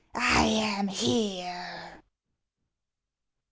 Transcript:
I am here !